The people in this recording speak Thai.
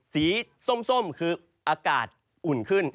สีส้มคืออากาศอุ่นขึ้น